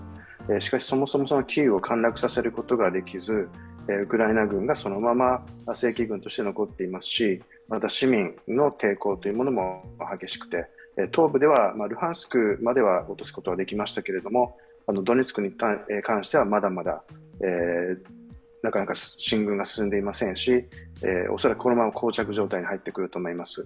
しかし、そもそもキーウを陥落させることができずウクライナ軍がそのまま正規軍として残っていますしまた、市民の抵抗も激しくて、東部ではルハンシクまでは落とすことができましたけれども、ドネツクに関してはまだまだ進軍が進んでいませんし恐らくこのまま、こう着状態に入ってくると思います。